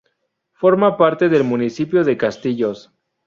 Forma parte del municipio de Castillos.